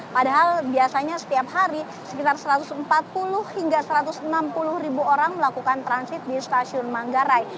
padahal biasanya setiap hari sekitar satu ratus empat puluh hingga satu ratus enam puluh ribu orang melakukan transit di stasiun manggarai